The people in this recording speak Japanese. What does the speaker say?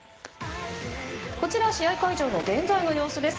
こちら、試合会場の現在の様子です。